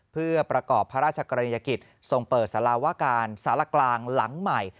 เพื่อประกอบพระราชกรณียกิจทรงเปิดสารวการสารกลางหลังใหม่